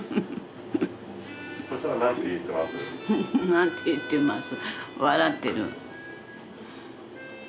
何て言ってます